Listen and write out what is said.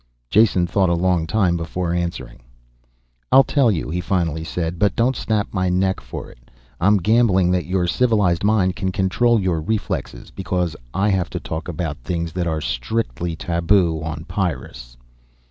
Jason thought a long time before answering. "I'll tell you," he finally said. "But don't snap my neck for it. I'm gambling that your civilized mind can control your reflexes. Because I have to talk about things that are strictly taboo on Pyrrus.